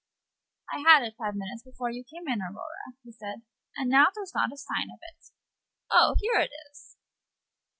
"I had it five minutes before you came in, Aurora," he said, "and now there's not a sign of it oh, here it is!"